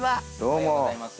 おはようございます。